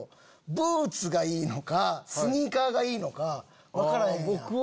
ブーツがいいのかスニーカーがいいのか。